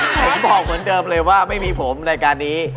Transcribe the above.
ผมบอกเหมือนเดิมเลยว่าไม่มีผมรายการนี้